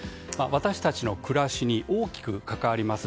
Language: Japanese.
私たちの暮らしに大きく関わります